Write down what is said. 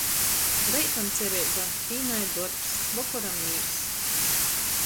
Reitam cereiba, dīnai dorbs, vokoram mīrs.